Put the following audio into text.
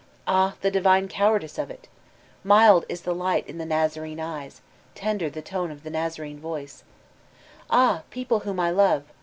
Ah, the divine cowardice of it I Mild is the Hght m the Nazarene eyes, tender the tone of the Nazarene voicel *'Ah, people whom I love!